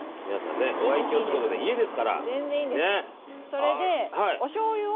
それでおしょうゆを。